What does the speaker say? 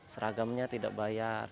seragamnya tidak bayar